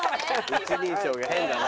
一人称が変だな。